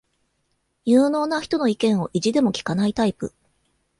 有能な人の意見を意地でも聞かないタイプ